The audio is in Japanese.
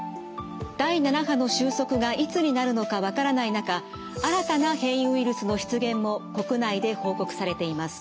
第７波の収束がいつになるのか分からない中新たな変異ウイルスの出現も国内で報告されています。